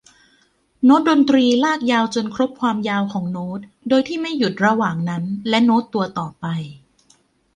โน้ตดนตรีลากยาวจนครบความยาวของโน้ต โดยที่ไม่หยุดระหว่างนั้นและโน้ตตัวต่อไป